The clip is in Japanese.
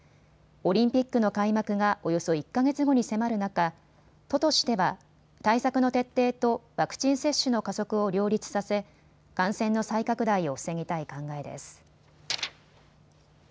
オリンピックの開幕がおよそ１か月後に迫る中、都としては対策の徹底とワクチン接種の加速を両立させ感染の再拡大を防ぎたい考えです。